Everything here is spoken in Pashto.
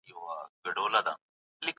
اتفاق او همغږي بریا تضمینوي.